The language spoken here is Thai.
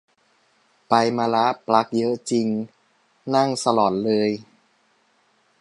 ไปมาละ ปลั๊กเยอะจริง นั่งสลอนเลย